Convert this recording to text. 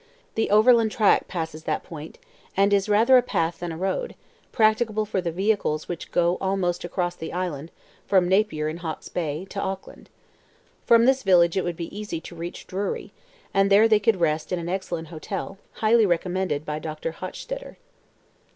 The "overland track" passes that point, and is rather a path than a road, practicable for the vehicles which go almost across the island, from Napier, in Hawke's Bay, to Auckland. From this village it would be easy to reach Drury, and there they could rest in an excellent hotel, highly recommended by Dr. Hochstetter.